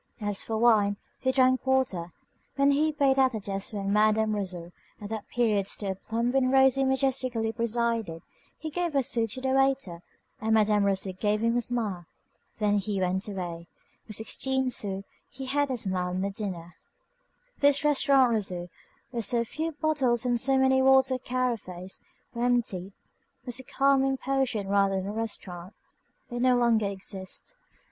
As for wine, he drank water. When he paid at the desk where Madam Rousseau, at that period still plump and rosy majestically presided, he gave a sou to the waiter, and Madam Rousseau gave him a smile. Then he went away. For sixteen sous he had a smile and a dinner. This Restaurant Rousseau, where so few bottles and so many water carafes were emptied, was a calming potion rather than a restaurant. It no longer exists.